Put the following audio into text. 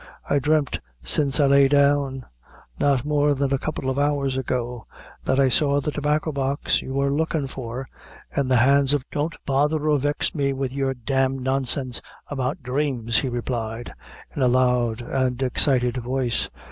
I dremt since I lay down not more than a couple of hours ago that I saw the Tobacco Box you were lookin' for, in the hands of " "Don't bother or vex me with your d d nonsense about dhrames," he replied, in a loud and excited voice.